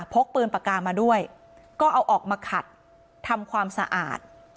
กปืนปากกามาด้วยก็เอาออกมาขัดทำความสะอาด